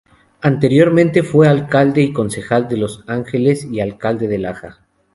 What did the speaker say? Anteriormente fue alcalde y concejal de Los Ángeles y alcalde de Laja.